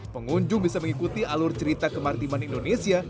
pengunjung bisa mengikuti alur cerita kemaritiman indonesia